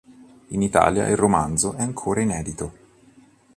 In Italia il romanzo è ancora inedito.